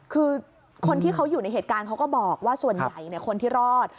คือคนที่เขาอยู่ในเหตุการณ์เขาก็บอกว่าส่วนใหญ่คนที่รอด